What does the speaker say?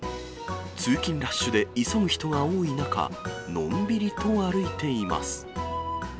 通勤ラッシュで急ぐ人が多い中、のんびりと歩いています。